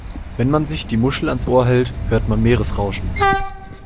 Wenn man sich die Muschel ans Ohr hält, hört man Meeresrauschen.